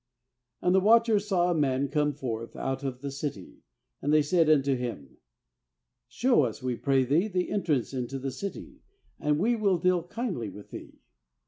^And the watchers saw a man come forth out of the city, and they said unto him: 'Show us, we pray thee, the entrance into the city, and we will deal kindly with thee.